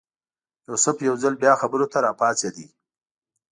یوسف یو ځل بیا خبرو ته راپاڅېد.